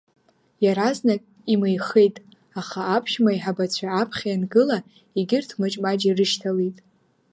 Иаразнак имеихеит, аха аԥшәма еиҳабацәа аԥхьа иангыла, егьырҭ маҷ-маҷ ирышьҭалеит.